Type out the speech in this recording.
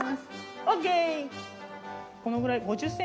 ＯＫ！